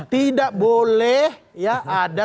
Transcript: tidak boleh ya ada